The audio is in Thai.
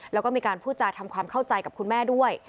แล้วก็มีการพูดจาทำความเข้าใจกับคุณแม่ด้วย